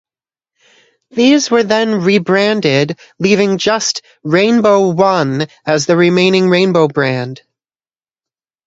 These were then rebranded leaving just 'rainbow one' as the remaining rainbow brand.